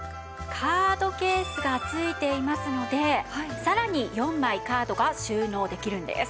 カードケースが付いていますのでさらに４枚カードが収納できるんです。